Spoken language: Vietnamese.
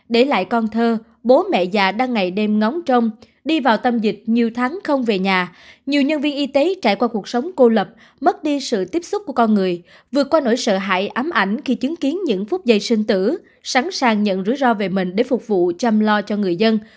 để lại con thơ bố mẹ già đang ngày đêm ngóng trong đi vào tâm dịch nhiều tháng không về nhà nhiều nhân viên y tế trải qua cuộc sống cô lập mất đi sự tiếp xúc của con người vượt qua nỗi sợ hại ám ảnh khi chứng kiến những phút dày sinh tử sẵn sàng nhận rủi ro về mình để phục vụ chăm lo cho người dân